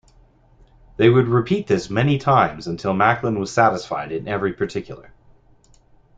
They would repeat this many times until Macklin was satisfied in every particular.